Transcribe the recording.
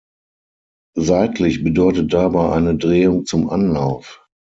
Seitlich bedeutet dabei eine -Drehung zum Anlauf.